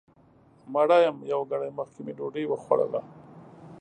مړه یم یو ګړی مخکې مې ډوډۍ وخوړله